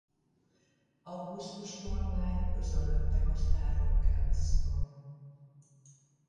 Augusztustól már özönlöttek a sztárok Cannes-ba.